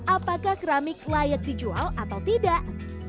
apakah keramik layak dijual atau tidak